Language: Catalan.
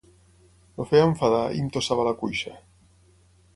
El feia enfadar i em tossava a la cuixa.